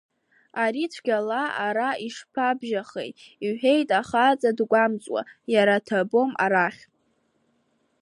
Ари цәгьала ара ишԥабжьахеи, — иҳәеит ахаҵа дгәамҵуа, иара ҭабом, арахь…